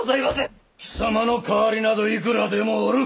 貴様の代わりなどいくらでもおる。